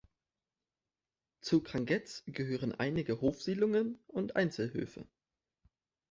Zu Grangettes gehören einige Hofsiedlungen und Einzelhöfe.